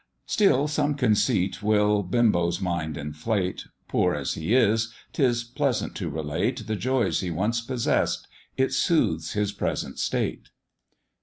Still some conceit will Benbow's mind inflate, Poor as he is, 'tis pleasant to relate The joys he once possess'd it soothes his present state.